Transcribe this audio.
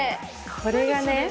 これがね